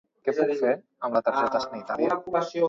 Què puc fer amb la targeta sanitària?